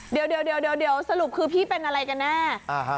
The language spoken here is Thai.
เดี๋ยวเดี๋ยวเดี๋ยวเดี๋ยวสรุปคือพี่เป็นอะไรกันแน่อ่าฮะ